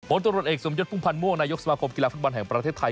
บนตรวจเอกสมยดภูมิพันธ์มั่วนายกสมาคมกีฬาภักดิ์บันแห่งประเทศไทย